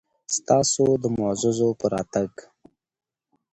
ستاسو معززو په راتګ